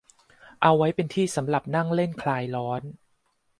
เอาไว้เป็นที่สำหรับนั่งเล่นคลายร้อน